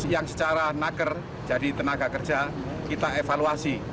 yang secara naker jadi tenaga kerja kita evaluasi